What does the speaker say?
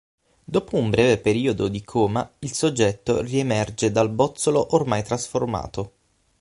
Dopo un breve periodo di coma il soggetto riemerge dal bozzolo ormai trasformato.